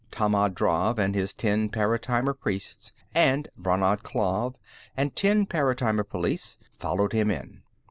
Tammand Drav, and his ten paratimer priests, and Brannad Klav, and ten Paratime Police, followed him in.